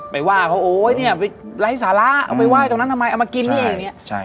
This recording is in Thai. ว่าเขาโอ๊ยเนี่ยไปไร้สาระเอาไปไห้ตรงนั้นทำไมเอามากินนี่เองเนี่ย